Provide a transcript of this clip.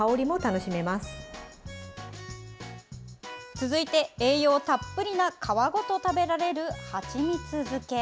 続いて栄養たっぷりな皮ごと食べられるはちみつ漬け。